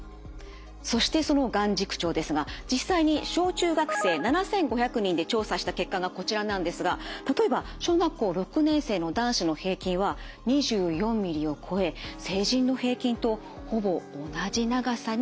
そしてその眼軸長ですが実際に小中学生７，５００人で調査した結果がこちらなんですが例えば小学校６年生の男子の平均は２４ミリを超え成人の平均とほぼ同じ長さになっていました。